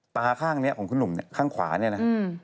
ตาข้างนี้ของคุณหนุ่มเนี่ยข้างขวาเนี่ยนะ